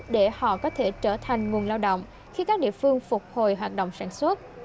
để họ có thể trở thành nguồn lao động khi các địa phương phục hồi hoạt động sản xuất